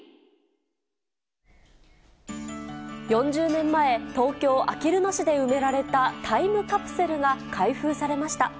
４０年前、東京・あきる野市で埋められたタイムカプセルが開封されました。